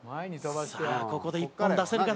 さあここで１本出せるか？